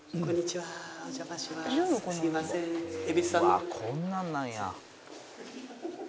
「うわこんなんなんや」